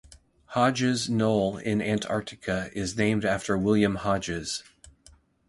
Hodges Knoll in Antarctica is named after William Hodges.